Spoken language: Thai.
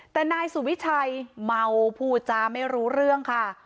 แต่นายสุวิชัยเมาพูดจาไม่รู้เรื่องค่ะ